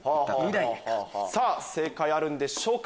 さぁ正解あるんでしょうか？